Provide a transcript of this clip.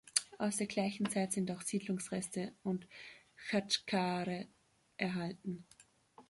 Aus der gleichen Zeit sind auch Siedlungsreste und Chatschkare erhalten.